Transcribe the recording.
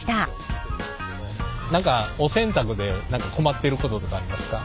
何かお洗濯で困ってることとかありますか？